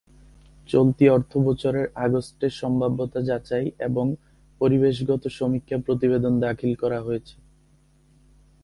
চলতি অর্থবছরের আগস্টে সম্ভাব্যতা যাচাই এবং পরিবেশগত সমীক্ষা প্রতিবেদন দাখিল করা হয়েছে।